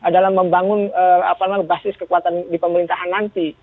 dalam membangun apa namanya basis kekuatan di pemerintahan nanti